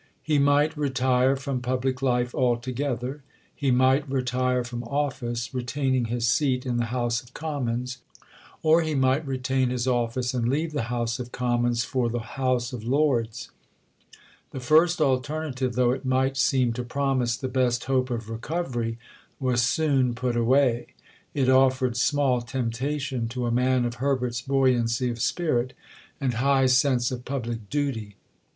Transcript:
He might retire from public life altogether. He might retire from office, retaining his seat in the House of Commons. Or he might retain his office, and leave the House of Commons for the House of Lords. The first alternative, though it might seem to promise the best hope of recovery, was soon put away: it offered small temptation to a man of Herbert's buoyancy of spirit and high sense of public duty.